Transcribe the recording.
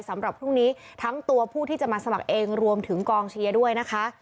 สำหรับพรุ่งนี้ทั้งตัวผู้ที่จะมาสมัครเองรวมถึงกองเชียร์ด้วยนะคะ